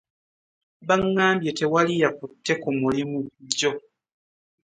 Baŋŋambye tewali yakutte ku mulimu jjo.